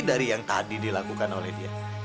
dari yang tadi dilakukan oleh dia